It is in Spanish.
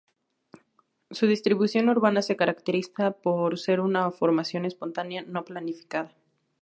Su distribución urbana se caracteriza por ser una formación espontánea, no planificada.